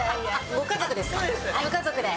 ご家族で。